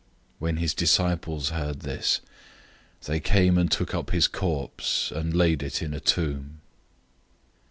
006:029 When his disciples heard this, they came and took up his corpse, and laid it in a tomb.